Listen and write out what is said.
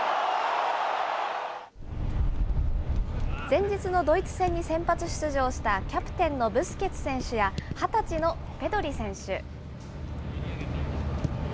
前日のドイツ戦に先発出場したキャプテンのブスケツ選手や、２０歳のペドリ選手。